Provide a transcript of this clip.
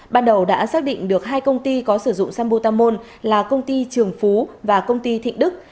ban đầu đã xác định được hai công ty có sử dụng sambotamol là công ty trường phú và công ty thịnh đức